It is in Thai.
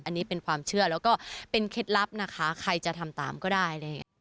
อันนี้เป็นความเชื่อแล้วก็เป็นเคล็ดลับนะคะใครจะทำตามก็ได้อะไรอย่างนี้